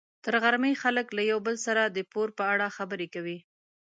تر غرمې خلک له یو بل سره د پور په اړه خبرې کوي.